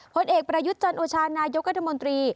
ผลเอกประยุทธ์จันทร์โอชาณายกเตอร์มนตรี